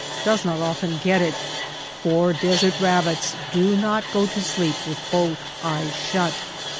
Ihefox does not often get it. For desert rabbits do not go to sleep with both eyes shut.